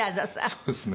そうですね。